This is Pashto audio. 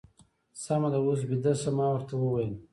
سمه ده، اوس بېده شه. ما ورته وویل.